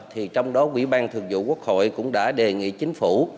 thì trong đó quỹ ban thường vụ quốc hội cũng đã đề nghị chính phủ